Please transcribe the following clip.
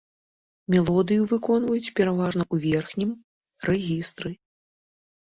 Мелодыю выконваюць пераважна ў верхнім рэгістры.